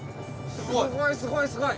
すごいすごいすごい。